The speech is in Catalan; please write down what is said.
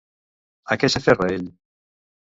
A què s'aferra ell?